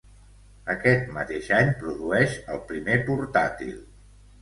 Aquest mateix any produeix el primer portàtil.